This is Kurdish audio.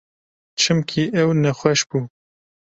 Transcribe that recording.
Çimkî ew nexweş bû.